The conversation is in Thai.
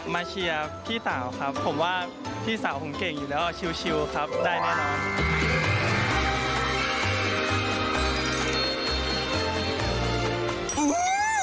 เชียร์พี่สาวครับผมว่าพี่สาวผมเก่งอยู่แล้วชิวครับได้แน่นอน